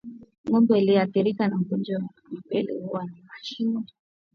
Ngombe aliyeathirika na ugonjwa wa mapele huwa na mashimo yenye vidonda